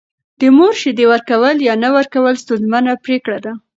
د مور شیدې ورکول یا نه ورکول ستونزمنه پرېکړه ده.